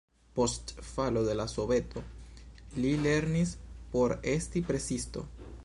Post falo de la Soveto li lernis por esti presisto.